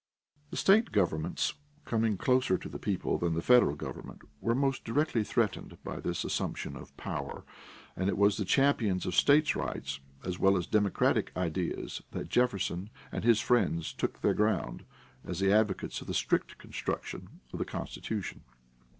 The state governments, coming closer to the people than the federal government, were most directly threatened by this assumption of power, and it was as the champions of state rights as well as democratic ideas that Jefferson and his friends took their ground as the advocates of the strict construction of the Constitution.